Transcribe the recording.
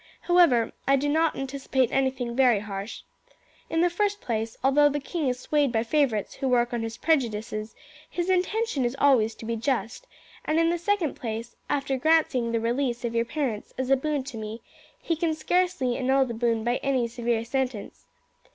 However, I do not anticipate anything very harsh. In the first place, although the king is swayed by favourites who work on his prejudices, his intention is always to be just; and in the second place, after granting the release of your parents as a boon to me he can scarcely annul the boon by any severe sentence.